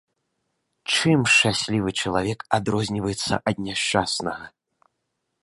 Чым шчаслівы чалавек адрозніваецца ад няшчаснага?